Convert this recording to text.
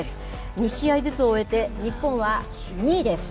２試合ずつを終えて、日本は２位です。